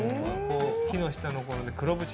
木の下のこの黒縁。